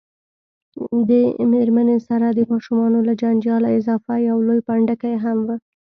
دې میرمنې سره د ماشومانو له جنجاله اضافه یو لوی پنډکی هم و.